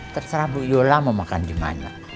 terserah bu yola mau makan gimana